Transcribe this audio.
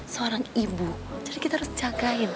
seorang ibu jadi kita harus jagain